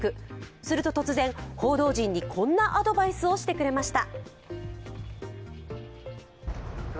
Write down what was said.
すると突然、報道陣にこんなアドバイスをしてくれました。